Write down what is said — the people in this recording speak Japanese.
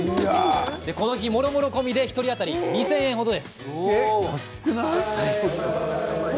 この日、もろもろ込みで１人当たり２０００円程です。